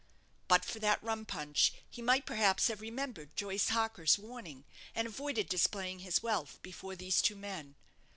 But for that rum punch he might, perhaps, have remembered Joyce Harker's warning, and avoided displaying his wealth before these two men.